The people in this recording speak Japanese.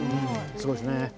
すごいですね。